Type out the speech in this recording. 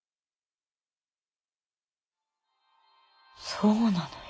そうなのよ。